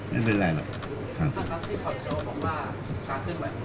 ภาพรับรักษาที่ขอบโชคบอกว่าการขึ้นหวัดของศาลวัฏนะครับ